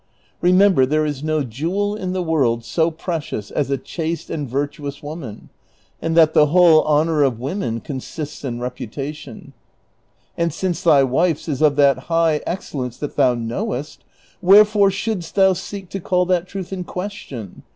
Remember there is no jewel in the world so precious as a chaste and virtuous woman, and that the whole honor of women consists in reputation ; and since thy wife's is of that high excellence that thou knowest, where fore shouldst thou seek to call that truth in question